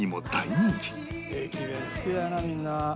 駅弁好きだよなみんな。